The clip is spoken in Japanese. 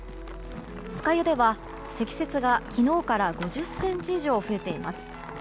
酸ヶ湯では、積雪が昨日から５０ｃｍ以上増えています。